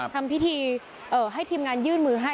ทำพิธีให้ทีมงานยื่นมือให้